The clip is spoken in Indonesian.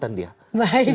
dan dia pindah ke utara